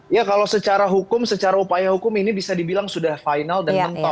ya kalau secara hukum secara upaya hukum ini bisa dibilang sudah final dan mentok